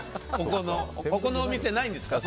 ここのお店ないんですか。